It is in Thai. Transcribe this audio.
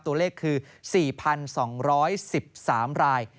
ตัวเลขคือ๔๒๑๓ราย